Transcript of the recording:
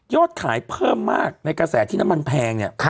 ขายเพิ่มมากในกระแสที่น้ำมันแพงเนี่ย